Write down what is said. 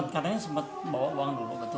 karena sempat bawa uang dulu